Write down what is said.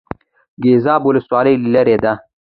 ګیزاب ولسوالۍ لیرې ده؟